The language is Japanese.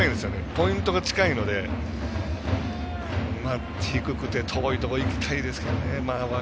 ポイントが近いので低くて遠いところにいきたいですけれどもね